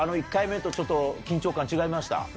１回目とちょっと、緊張感、違いました？